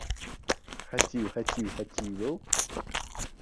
ههتیو ههتیو ههتیوه و